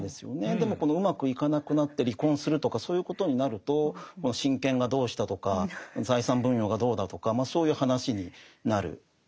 でもこのうまくいかなくなって離婚するとかそういうことになると親権がどうしたとか財産分与がどうだとかそういう話になる。